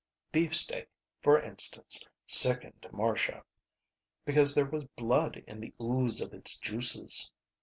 Beefsteak, for instance, sickened Marcia, because there was blood in the ooze of its juices.